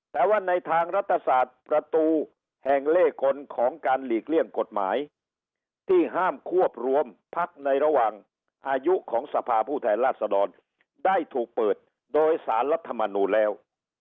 แต่ว่าในทางรัฐศาสตร์ประตูแห่งเลขกลของการหลีกเลี่ยงกฎหมายที่ห้ามควบรวมพักในระหว่างอายุของสภาผู้แทนราชดรได้ถูกเปิดโดยสารรัฐมนูลแล้ว